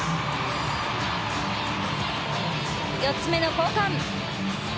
４つ目の交換。